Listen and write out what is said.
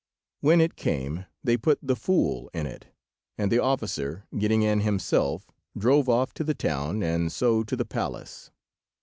When it came, they put the fool in it, and the officer, getting in himself, drove off to the town, and so to the palace.